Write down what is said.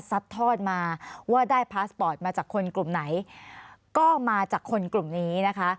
ทอดมาว่าได้พาสปอร์ตมาจากคนกลุ่มไหนก็มาจากคนกลุ่มนี้นะคะ